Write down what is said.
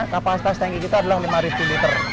kapasitas tanki kita adalah lima liter